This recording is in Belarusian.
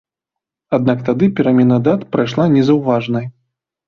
Аднак тады перамена дат прайшла незаўважанай.